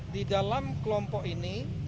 di dalam kelompok ini